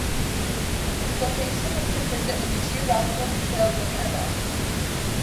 Its location is consistent with the geographical details in "Emma".